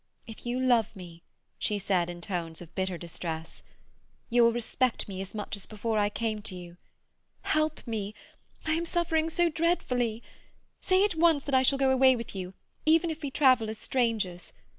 "If you love me," she said in tones of bitter distress, "you will respect me as much as before I came to you. Help me—I am suffering so dreadfully. Say at once that I shall go away with you, even if we travel as strangers.